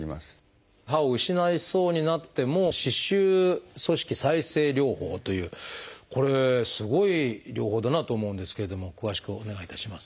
歯を失いそうになっても「歯周組織再生療法」というこれすごい療法だなと思うんですけれども詳しくお願いいたします。